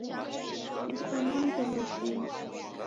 Dikwanaa ngelo zima